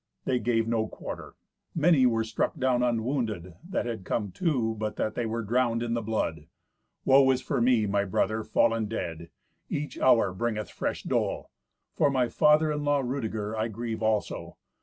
They gave no quarter. Many were struck down unwounded that had come to, but that they were drowned in the blood. "Woe is me for my brother, fallen dead! Each hour bringeth fresh dole. For my father in law, Rudeger, I grieve also.